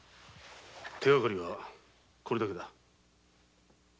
手がかりはこれだけだ。